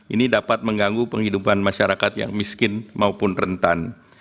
ini dapat mengganggu penghidupan masyarakat yang miskin maupun rentan